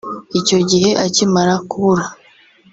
Icyo gihe akimara kubura